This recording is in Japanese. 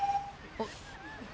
あっ。